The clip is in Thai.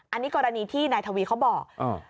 อันนี้กรณีที่นายทวีเขาบอก